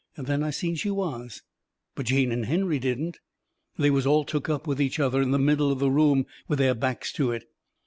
Then I seen she was. But Jane and Henry didn't. They was all took up with each other in the middle of the room, with their backs to it.